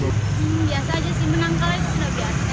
biasa aja sih menang kalah itu sudah biasa